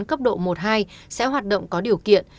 cấp độ một hai sẽ hoạt động có điều kiện